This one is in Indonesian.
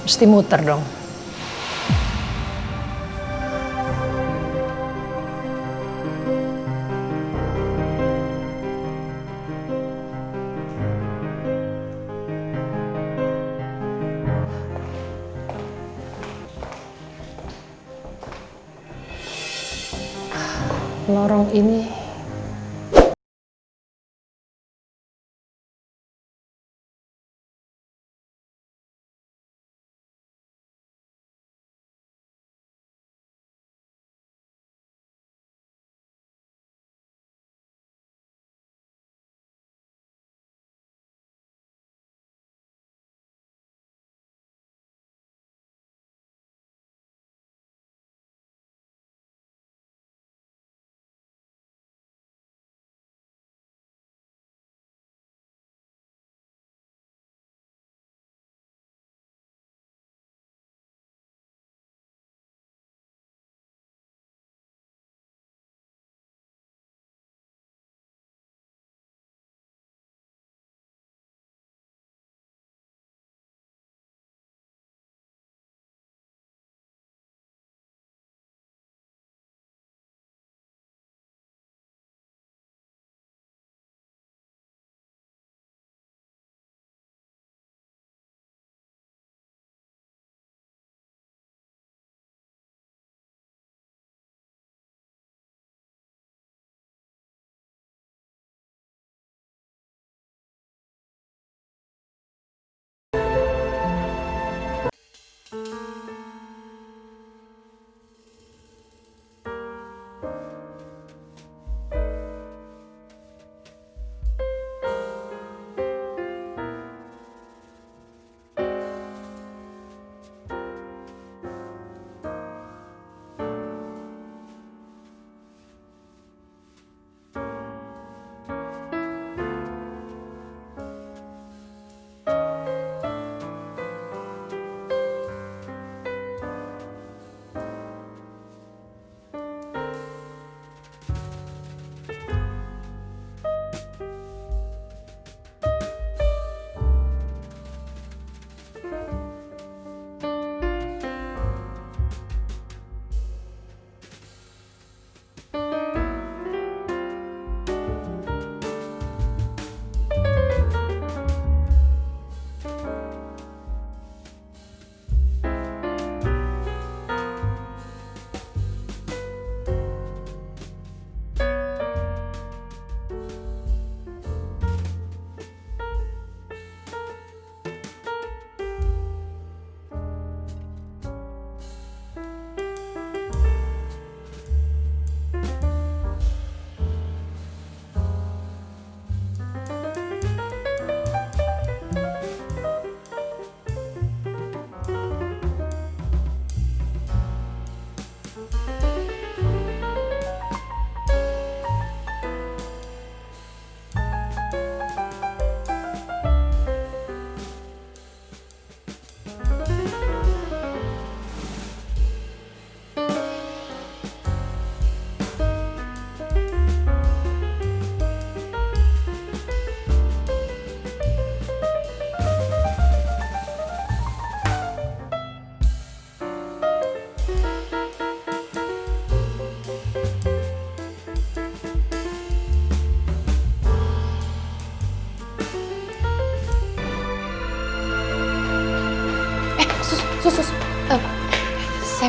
speaker aidatul sarawati